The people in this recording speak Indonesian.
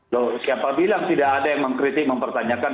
loh siapa bilang tidak ada yang mengkritik mempertanyakan